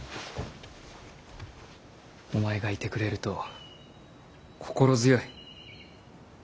お前がいてくれると心強い。